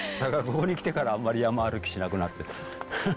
ここに来てからあんまり山歩きしなくなった。